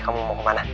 kamu mau kemana